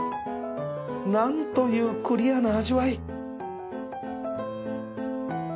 何というクリアな味わい